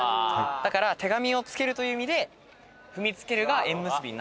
だから手紙をつけるという意味で「踏みつける」が縁結びになった。